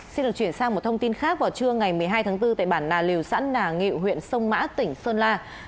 xin được chuyển sang một thông tin khác vào trưa ngày một mươi hai tháng bốn tại bản nà liều xã nà ngịu huyện sông mã tỉnh sơn la